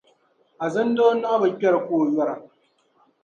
Azindoo nↄhi bi kpεhiri ka o yↄra.